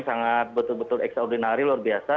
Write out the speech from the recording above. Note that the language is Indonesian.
sangat betul betul extraordinari luar biasa